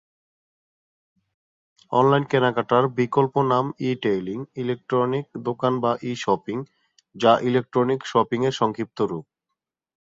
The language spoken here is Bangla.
অনলাইন কেনাকাটার বিকল্প নাম হল "ই-টেইলিং", "ইলেকট্রনিক দোকান" বা "ই-শপিং", যা "ইলেকট্রনিক শপিং" এর সংক্ষিপ্ত রূপ।